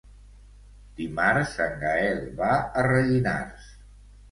Dimarts en Gaël va a Rellinars.